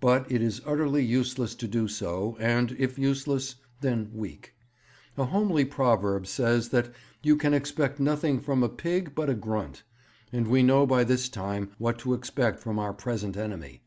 But it is utterly useless to do so, and, if useless, then weak. A homely proverb says that you can expect nothing from a pig but a grunt, and we know by this time what to expect from our present enemy.